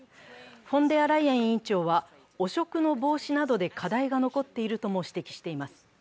フォンデアライエン委員長は汚職の防止などで課題が残っているなどとも指摘しています。